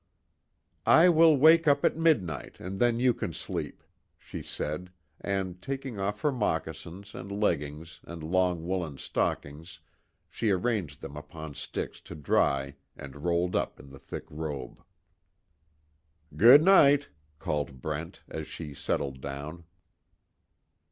"I will wake up at midnight, and then you can sleep," she said, and, taking off her moccasins, and leggings, and long woolen stockings she arranged them upon sticks to dry and rolled up in the thick robe. "Good night," called Brent, as she settled down.